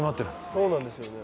そうなんですよね。